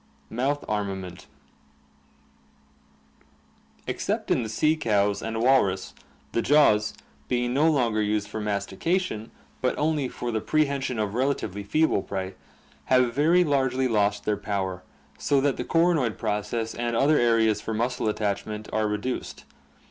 Mouth Armament — Except in the sea cows and walrus the jaws, being no longer used for mastication, but only for the pre hension of relatively feeble prey, have very largely lost their power, so that the coronoid process and other areas for muscle attachment are reduced.